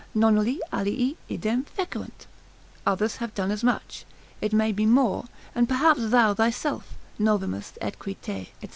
Nonnulli alii idem fecerunt; others have done as much, it may be more, and perhaps thou thyself, Novimus et qui te, &c.